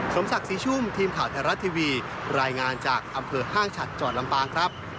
สมศักดิ์ศรีชุ่มทีมข่าวไทยรัฐทีวีรายงานจากอำเภอห้างฉัดจังหวัดลำปางครับ